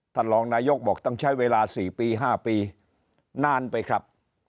ท่านรองนายกบอกต้องใช้เวลา๔ปี๕ปีนานไปครับ